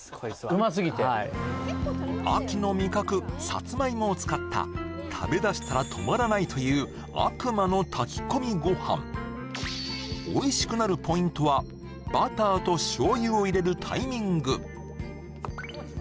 うますぎて秋の味覚サツマイモを使った食べだしたらとまらないという悪魔の炊き込みご飯おいしくなるポイントは中大丈夫ですか？